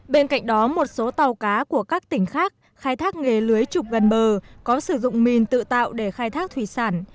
bên cạnh đó một số tàu cá của các tỉnh khác khai thác nghề lưới trục gần bờ có sử dụng mìn tự tạo để khai thác thủy sản